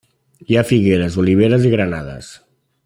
Hi ha figueres, oliveres i granades.